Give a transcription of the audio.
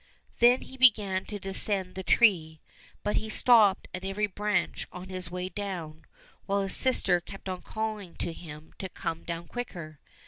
" Then he began to descend the tree, but he stopped at every branch on his way down, while his sister kept on calling to him to come down quicker.